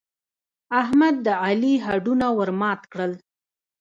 احمد د علي هډونه ور مات کړل.